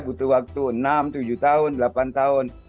butuh waktu enam tujuh tahun delapan tahun